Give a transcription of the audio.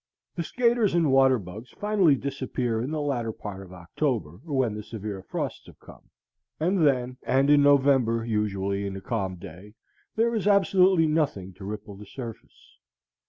The skaters and water bugs finally disappear in the latter part of October, when the severe frosts have come; and then and in November, usually, in a calm day, there is absolutely nothing to ripple the surface.